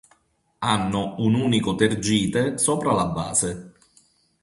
Hanno un unico tergite sopra la base.